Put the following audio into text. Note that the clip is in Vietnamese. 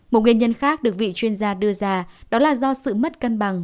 một nguyên nhân khác được vị chuyên gia đưa ra đó là do sự mất cân bằng